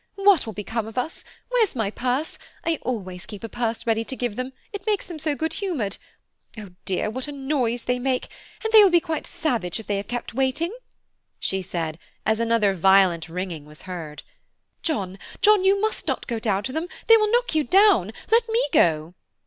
What will become of us! Where's my purse? I always keep a purse ready to give them, it makes them so good humoured. Oh, dear, what a noise they make, and they will be quite savage if they are kept waiting," she said, as another violent ringing was heard. "John, John, you must not go down to them, they will knock you down. Let me go."